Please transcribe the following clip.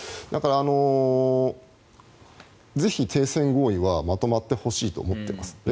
だから、ぜひ停戦合意はまとまってほしいと思っています。